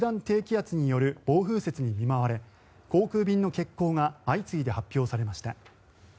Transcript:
低気圧による暴風雪に見舞われ航空便の欠航が相次いで発表されました。